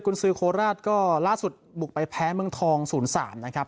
คุณซื้อโคราชก็ล่าสุดบุกไปแพ้เมืองทอง๐๓นะครับ